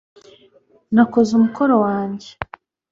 nakoze umukoro wanjye